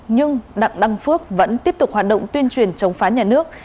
nhưng đặng đăng phước vẫn tiếp tục hoạt động tuyên truyền chống phá nhà nước